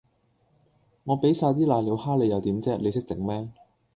我畀曬啲攋尿蝦你又點啫，你識整咩